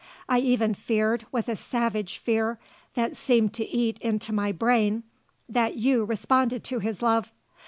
I even feared, with a savage fear that seemed to eat into my brain, that you responded to his love.